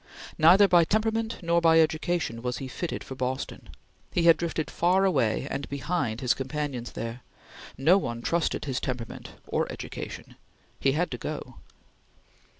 Neither by temperament nor by education was he fitted for Boston. He had drifted far away and behind his companions there; no one trusted his temperament or education; he had to go.